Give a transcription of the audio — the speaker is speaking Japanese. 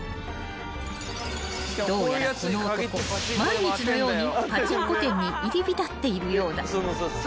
［どうやらこの男毎日のようにパチンコ店に入り浸っているようだ］